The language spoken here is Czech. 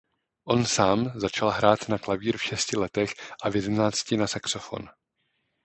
On sám začal hrát na klavír v šesti letech a v jedenácti na saxofon.